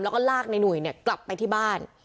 แล้วก็ลากในหนุ่ยกลับไปที่บ้าน